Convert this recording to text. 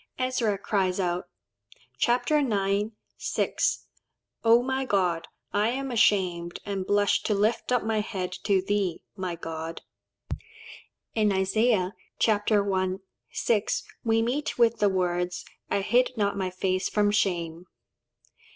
Ezra cries out (ch. ix. 6), "O, my God! I am ashamed, and blush to lift up my head to thee, my God." In Isaiah (ch. I. 6) we meet with the words, "I hid not my face from shame."